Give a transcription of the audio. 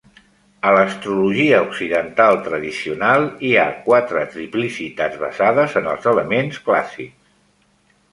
A l"Astrologia occidental tradicional, hi ha quatre triplicitats basades en els elements clàssics.